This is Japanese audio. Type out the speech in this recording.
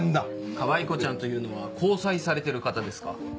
かわいこちゃんというのは交際されてる方ですか？